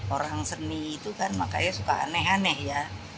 orang seni itu kan makanya suka aneh aneh ya